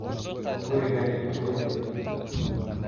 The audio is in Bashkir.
Күренерлек түгел.